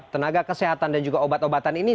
tenaga kesehatan dan juga obat obatan ini